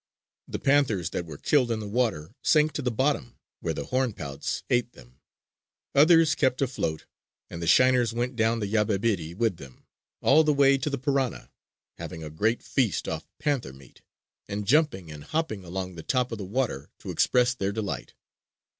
The panthers that were killed in the water, sank to the bottom where the horn pouts ate them. Others kept afloat, and the shiners went down the Yabebirì with them, all the way to the Parana, having a great feast off panther meat, and jumping and hopping along the top of the water to express their delight.